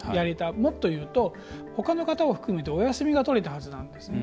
もっと言うと、ほかの方を含めてお休みが取れたはずなんですね。